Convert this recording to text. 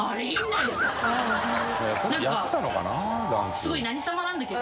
すごい何様なんだけど。